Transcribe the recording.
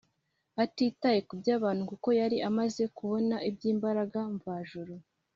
, atitaye kuby’abantu kuko yari amaze kubona iby’imbaraga mvajuru